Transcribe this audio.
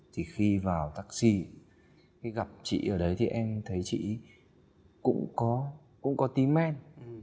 thì khi vào taxi khi gặp chị ở đấy thì em thấy chị cũng có cũng có tí men